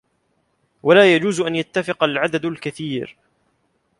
وَلَا يَجُوزُ أَنْ يَتَّفِقَ الْعَدَدُ الْكَثِيرُ